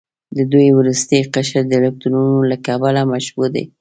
د دوی وروستی قشر د الکترونونو له کبله مشبوع دی.